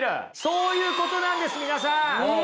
そういうことなんです皆さん。